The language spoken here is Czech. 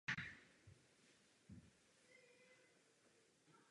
Poloha a okolí dnešního zámku nasvědčují těmto vyprávěním.